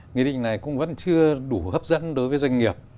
nghị định này cũng vẫn chưa đủ hấp dẫn đối với doanh nghiệp